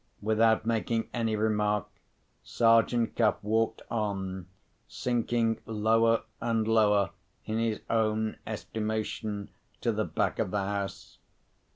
Without making any remark, Sergeant Cuff walked on, sinking lower and lower in his own estimation, to the back of the house.